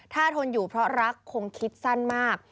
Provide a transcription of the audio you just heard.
ถ้าทนอยู่เพราะรักคงคิดสั้นมาก